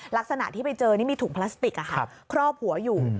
ลักษณะที่ไปเจอนี่มีถุงพลาสติกครอบหัวอยู่